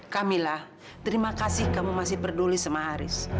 kamila terima kasih kamu masih peduli sama haris